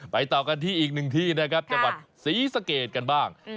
ต่อกันที่อีกหนึ่งที่นะครับจังหวัดศรีสะเกดกันบ้าง